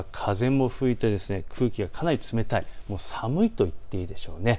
夜は風も吹いて空気がかなり冷たい、寒いと言っていいでしょう。